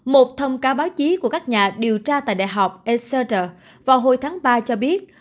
một thông cáo báo chí của các nhà điều tra tại đại học essager vào hồi tháng ba cho biết